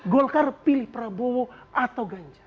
golkar pilih prabowo atau ganjar